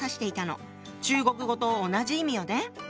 中国語と同じ意味よね。